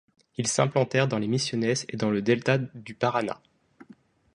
Ils s’implantèrent dans les Misiones et dans le delta du Paraná.